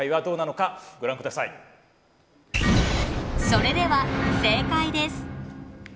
それでは正解です。